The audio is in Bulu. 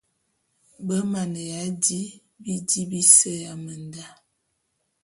Be mane di bidi bise ya menda.